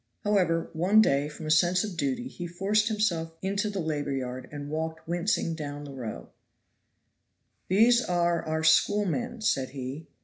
However, one day, from a sense of duty, he forced himself into the labor yard and walked wincing down the row. "These are our schoolmen," said he.